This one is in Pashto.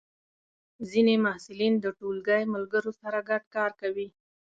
ځینې محصلین د ټولګی ملګرو سره ګډ کار کوي.